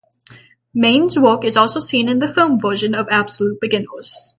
Mayne's work is also seen in the film version of Absolute Beginners.